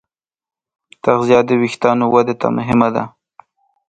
تغذیه د وېښتیانو ودې ته مهمه ده.